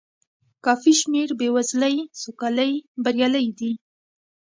کافي شمېر بې وزلۍ سوکالۍ بریالۍ دي.